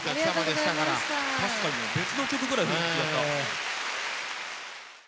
確かに別の曲ぐらい雰囲気違った。